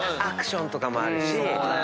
アクションとかもあるし。